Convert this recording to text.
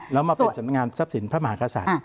แล้วมาเป็นสำนักงานทรัพย์สินพระมหากษัตริย์